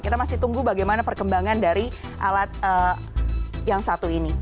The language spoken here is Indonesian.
kita masih tunggu bagaimana perkembangan dari alat yang satu ini